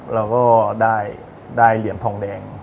แล้วก็ได้เหลี่ยมทองแดง